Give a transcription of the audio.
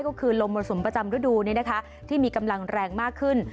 ก็คือลมมรสุมประจำฤดูที่มีกำลังแรงมากขึ้น